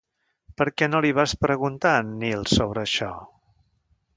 Per què no li vas preguntar a en Neal sobre això?